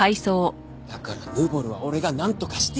だからヌボルは俺がなんとかしてやるって！